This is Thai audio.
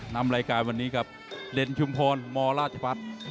นำรายการวันนี้ครับเด่นชุมพรมราชพัฒน์